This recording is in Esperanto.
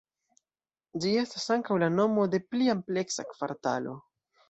Ĝi estas ankaŭ la nomo de pli ampleksa kvartalo.